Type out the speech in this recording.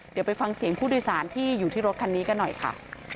เดี๋ยวไปฟังเสียงผู้โดยสารที่อยู่ที่รถคันนี้กันหน่อยค่ะ